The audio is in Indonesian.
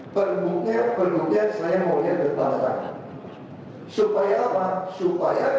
membuat kerjasama dengan pembang